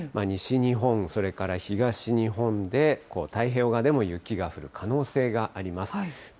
西日本、それから東日本で太平洋側でも雪が降る可能性があります。